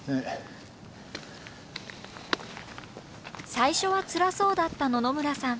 最初はつらそうだった野々村さん。